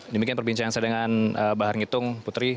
demikian perbincangan saya dengan bahar ngitung putri